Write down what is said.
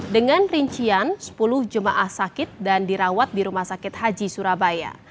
dengan rincian sepuluh jemaah sakit dan dirawat di rumah sakit haji surabaya